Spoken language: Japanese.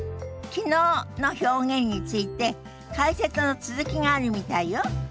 「昨日」の表現について解説の続きがあるみたいよ。